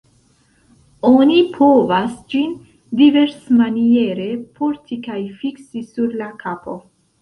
Oni povas ĝin diversmaniere porti kaj fiksi sur la kapo.